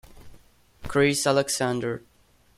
Chris Alexander